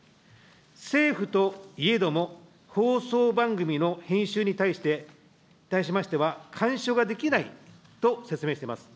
政府といえども、放送番組の編集に対しましては、干渉ができないと説明してます。